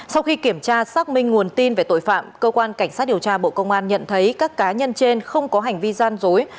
sau khi kiểm tra xác minh nguồn tin về tội phạm cơ quan cảnh sát điều tra bộ công an nhận thấy các cá nhân trên không có hành vi gian dối